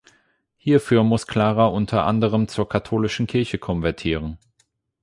Hierfür muss Clara unter anderem zur Katholischen Kirche konvertieren.